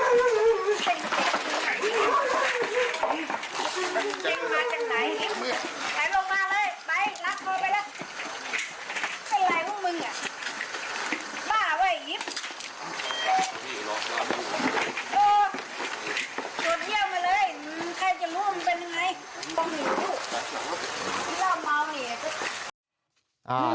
ใครจะรู้มันเป็นอย่างไร